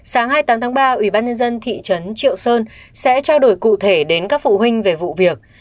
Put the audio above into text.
sáng hai mươi tám tháng ba ubnd thị trấn triệu sơn sẽ trao đổi cụ thể đến các phụ huynh về vụ việc